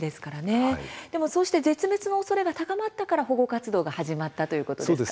絶滅のおそれが高まったから保護活動を始めたということですか。